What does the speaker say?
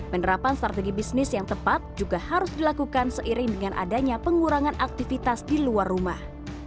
penerapan strategi bisnis yang tepat juga harus dilakukan seiring dengan adanya pengurangan aktivitas di luar rumah